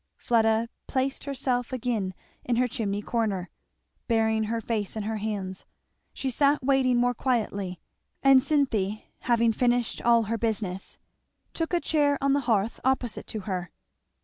Fleda placed herself again in her chimney corner. Burying her face in her hands, she sat waiting more quietly; and Cynthy, having finished all her business, took a chair on the hearth opposite to her.